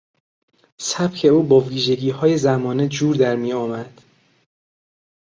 سبک او با ویژگیهای زمانه جور در میآمد.